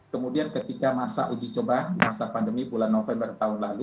kemudian ketika masa uji coba masa pandemi bulan november tahun lalu